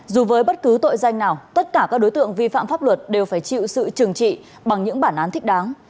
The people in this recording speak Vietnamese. dù với bất cứ tội danh nào tất cả các đối tượng vi phạm pháp luật đều phải chịu sự trừng trị bằng những bản án thích đáng